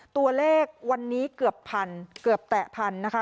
ตัวเลขวันนี้เกือบพันเกือบแตะพันนะคะ